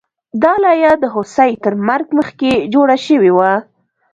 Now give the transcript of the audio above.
دا لایه د هوسۍ تر مرګ مخکې جوړه شوې وه